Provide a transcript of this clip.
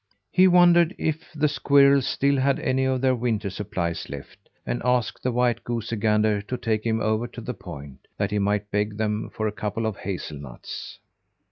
He wondered if the squirrels still had any of their winter supplies left, and asked the white goosey gander to take him over to the point, that he might beg them for a couple of hazelnuts.